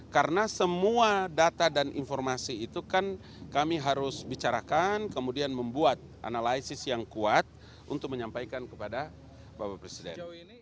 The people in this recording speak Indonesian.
karena semua data dan informasi itu kan kami harus bicarakan kemudian membuat analisis yang kuat untuk menyampaikan kepada bapak presiden